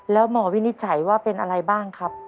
แล้วหมอวินิจฉัยว่าเป็นอะไรบ้างครับ